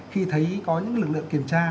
khi thấy có những lực lượng kiểm tra